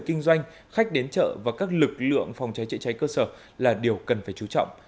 kinh doanh khách đến chợ và các lực lượng phòng cháy chữa cháy cơ sở là điều cần phải chú trọng